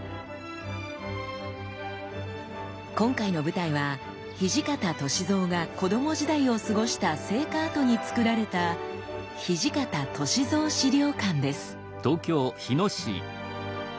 今回の舞台は土方歳三が子ども時代を過ごした生家跡につくられた土方歳三資料館です。